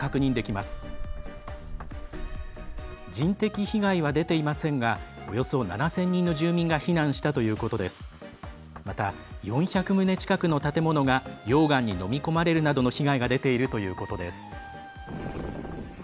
また、４００棟近くの建物が溶岩に、のみ込まれるなどの被害が出ているということです。